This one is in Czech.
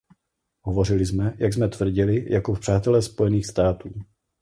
Hovořili jsme, jak jsme tvrdili, jako přátelé Spojených států.